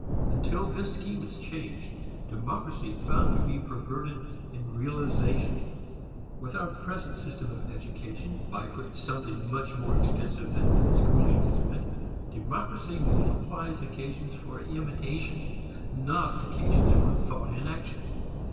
Until this scheme is changed, democracy is bound to be perverted in realization. With our present system of education by which something much more extensive than schooling is meant democracy multiplies occasions for imitation not occasions for thought in action.